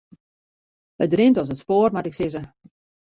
It rint as it spoar moat ik sizze.